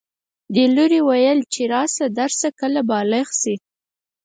دې لوري ویل چې راشه درشه کله بالغ شي